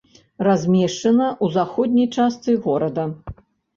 Размешчана ў заходняй частцы горада.